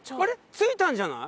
着いたんじゃない？